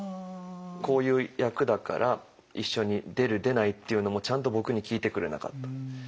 「こういう役だから一緒に出る出ないっていうのもちゃんと僕に聞いてくれなかった」。